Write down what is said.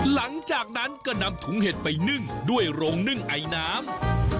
หลังจากนั้นก็นำถุงเห็ดไปนึ่งด้วยโรงนึ่งไอน้ำ